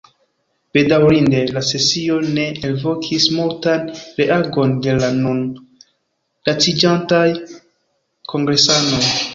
Bedaŭrinde la sesio ne elvokis multan reagon de la nun laciĝantaj kongresanoj.